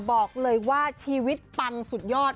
บอกเลยว่าชีวิตปังสุดยอด